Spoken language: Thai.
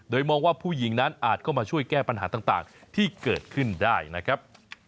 โดยมองว่าผู้หญิงนั้นอาจก็มาช่วยแก้ปัญหาต่างที่เกิดขึ้นได้นะครับ